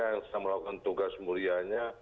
yang sedang melakukan tugas mulianya